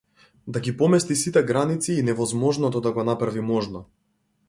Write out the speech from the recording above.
Да ги помести сите граници и невозможното да го направи можно.